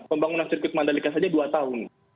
pembangunan sirkuit mandalika saja dua tahun